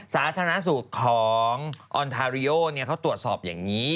สาธารณสุขของออนทาริโอเขาตรวจสอบอย่างนี้